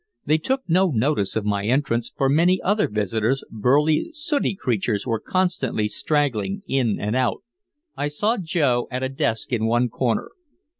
They took no notice of my entrance, for many other visitors, burly, sooty creatures, were constantly straggling in and out. I saw Joe at a desk in one corner.